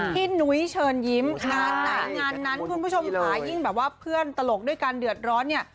นุ้ยเชิญยิ้มงานไหนงานนั้นคุณผู้ชมค่ะยิ่งแบบว่าเพื่อนตลกด้วยการเดือดร้อนเนี่ย